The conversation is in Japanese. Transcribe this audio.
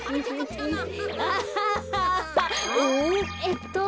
えっと。